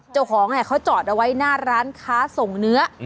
เจ้าของเขาจอดเอาไว้หน้าร้านค้าส่งเนื้อ